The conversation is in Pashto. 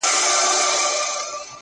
ناهيلی نه یم، بیا هم سوال کومه ولي، ولي.